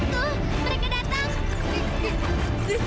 tuh mereka datang